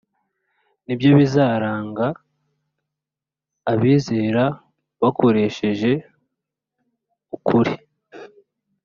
Ni byo bizaranga abizera bakoresheje ukuri